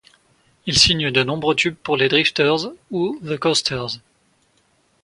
Ils signent nombre de tubes pour les Drifters ou The Coasters.